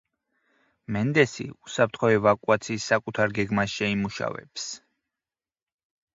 მენდესი უსაფრთხო ევაკუაციის საკუთარ გეგმას შეიმუშავებს.